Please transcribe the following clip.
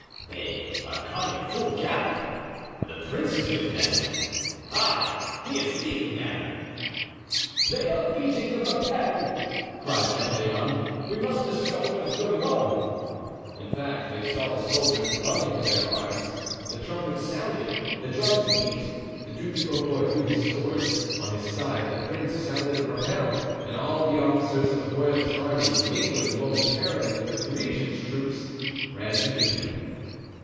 "They are coming, full gallop; the prince is with them—ah! he is leaving them!" "They are beating the rappel!" cried Chatillon; "we must discover what is going on." In fact, they saw the soldiers running to their arms; the trumpets sounded; the drums beat; the Duc de Beaufort drew his sword. On his side the prince sounded a rappel and all the officers of the royalist army, mingling momentarily with the Parisian troops, ran to him.